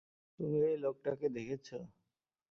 তুমি এই লোকটাকে দেখেছ?